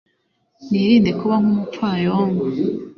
nirinde kuba nk'umupfayongo